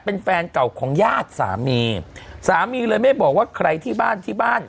เป็นแฟนเก่าของญาติสามีสามีเลยไม่บอกว่าใครที่บ้านที่บ้าน